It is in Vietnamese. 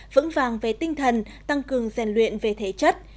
vững vàng về tinh thần tăng cường rèn luyện về thể chất